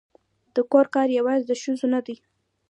د کور کار یوازې د ښځو نه دی